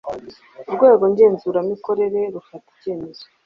urwego ngenzuramikorere rufata icyemezo